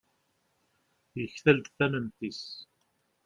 yektal-d tamemt-is